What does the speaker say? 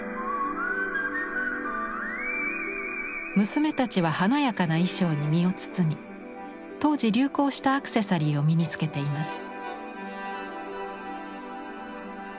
娘たちは華やかな衣装に身を包み当時流行したアクセサリーを身につけています。